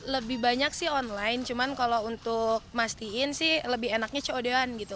lebih banyak sih online cuman kalau untuk mastiin sih lebih enaknya codean gitu